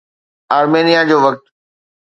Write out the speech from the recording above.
آرمينيا جو وقت